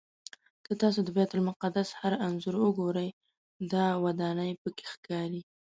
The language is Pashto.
که تاسو د بیت المقدس هر انځور وګورئ دا ودانۍ پکې ښکاري.